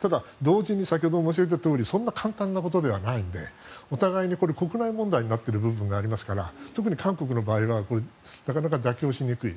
ただ同時に先ほども申し上げたとおりそんな簡単なことではないのでお互いに国内問題になっているところがありますから特に韓国の場合はなかなか妥協しにくい。